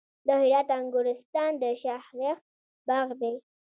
د هرات انګورستان د شاهرخ باغ دی